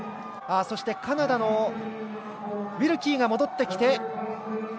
そしてカナダのウィルキーが戻ってきた。